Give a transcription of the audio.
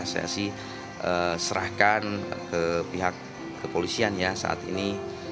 saya sih serahkan ke pihak kepolisian ya saat ini